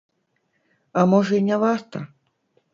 А можа, і не варта?